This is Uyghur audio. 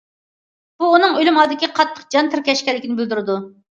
بۇ ئۇنىڭ ئۆلۈم ئالدىدا قاتتىق جان تىركەشكەنلىكىنى بىلدۈرىدۇ.